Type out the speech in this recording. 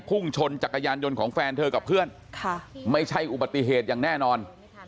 พุ่งชนจักรยานยนต์ของแฟนเธอกับเพื่อนไม่ใช่อุบัติเหตุอย่างแน่นอน